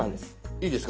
いいですか？